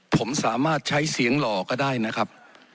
ผมสามารถใช้เสียงหล่อก็ได้นะครับ